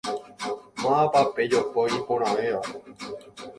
Mávapa pe jopói iporãvéva?